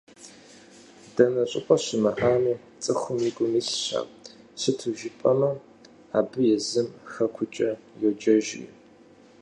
Дэнэ щӏыпӏэ щымыӏами, цӏыхум и гум илъщ ар, сыту жыпӏэмэ абы езым Хэкукӏэ йоджэжри.